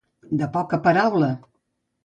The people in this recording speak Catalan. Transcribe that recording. De poca paraula.